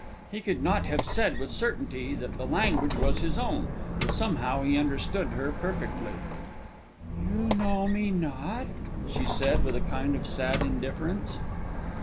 He could not have said with certainty that the language was his own, though somehow he understood her perfectly. "You know me not?" she said, with a kind of sad indifference.